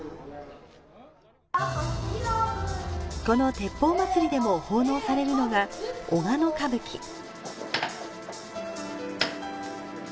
この鉄砲祭りでも奉納されるのが小鹿野歌舞伎。